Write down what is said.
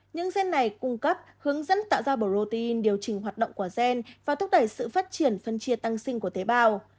những gen này cung cấp hướng dẫn tạo ra protein điều chỉnh hoạt động của gen và thúc đẩy sự phát triển phân chia tăng sinh của tế bào